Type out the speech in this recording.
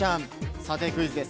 査定クイズです。